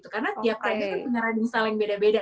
karena tiap rider kan punya riding style yang beda beda